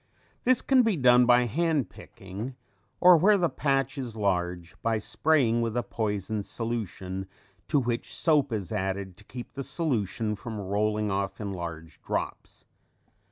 This can be done by hand picking, or where the patch is large by spraying with a poison solution to which soap is added to keep the solution from rolling off in large drops.